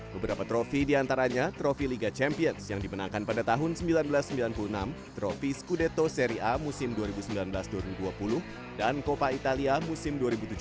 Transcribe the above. beberapa trofi diantaranya trofi liga champions yang dimenangkan pada tahun seribu sembilan ratus sembilan puluh enam trofi skudeto seri a musim dua ribu sembilan belas dua ribu dua puluh dan copa italia musim dua ribu tujuh belas